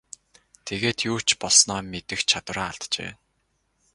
Тэгээд юу ч болсноо мэдэх чадвараа алджээ.